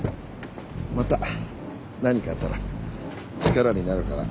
また何かあったら力になるから。